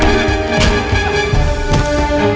kau tak bisa berpikir pikir